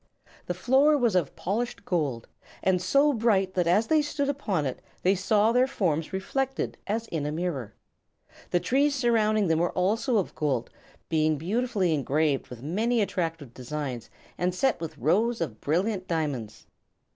The floor was of polished gold, and so bright that as they stood upon it they saw their forms reflected as in a mirror. The trees surrounding them were also of gold, being beautifully engraved with many attractive designs and set with rows of brilliant diamonds.